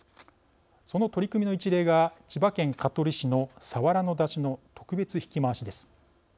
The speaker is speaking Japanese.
その取り組みの一例が千葉県香取市の佐原の山車の、特別曳き廻しです。